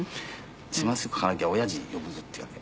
「始末書書かなきゃ親父呼ぶぞ」って言うわけ。